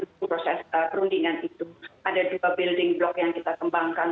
di proses perundingan itu ada dua building block yang kita kembangkan